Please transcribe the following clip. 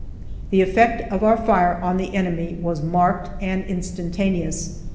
The effect of our fire on the enemy was marked and instantaneous.